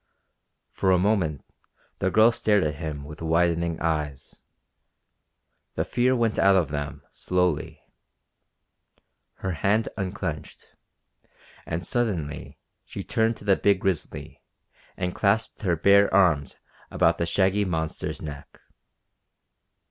For a moment the girl stared at him with widening eyes. The fear went out of them slowly. Her hand unclenched, and suddenly she turned to the big grizzly and clasped her bared arms about the shaggy monster's neck.